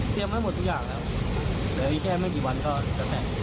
เตรียมไว้หมดทุกอย่างแล้วเดี๋ยวแค่ไม่กี่วันก็จะแปลก